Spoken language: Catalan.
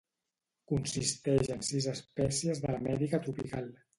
Consisteix en sis espècies de l'Amèrica tropical.